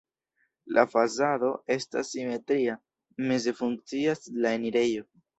La fasado estas simetria, meze funkcias la enirejo.